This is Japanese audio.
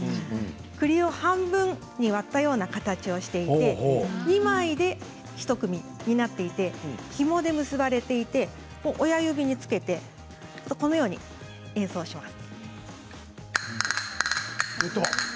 くりを半分に割ったような形をしていて２枚で１組になっていてひもで結ばれていて親指に、つけて演奏します。